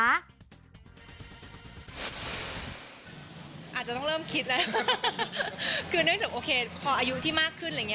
อาจจะต้องเริ่มคิดเลยคือเนื่องจากโอเคพออายุที่มากขึ้น